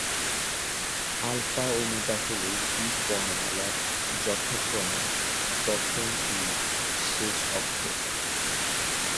Alpha omega হলো Greek বর্ণমালার, যথাক্রমে প্রথম ও শেষ অক্ষর।